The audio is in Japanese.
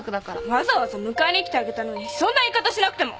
わざわざ迎えに来てあげたのにそんな言い方しなくても。